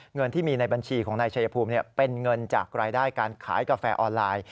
เงินที่มีในบัญชีของนายชายภูมิเป็นเงินจากรายได้การขายกาแฟออนไลน์